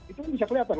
itu bisa kelihatan